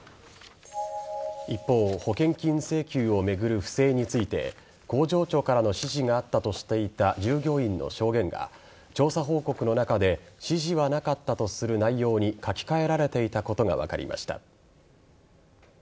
一方保険金請求を巡る不正について工場長からの指示があったとしていた従業員の証言が調査報告の中で指示はなかったとする内容に書き換えられていたことが分かりました。